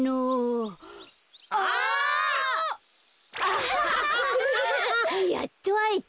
あ！やっとあえた。